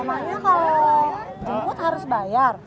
maksudnya kalau jemput harus bayar